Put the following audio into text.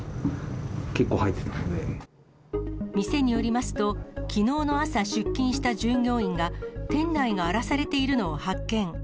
店によりますと、きのうの朝、出勤した従業員が店内が荒らされているのを発見。